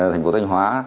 thành phố thanh hóa